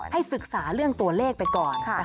ศึกษาเรื่องตัวเลขไปก่อน